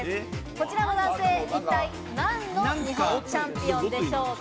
こちらの男性、一体何の日本チャンピオンでしょうか？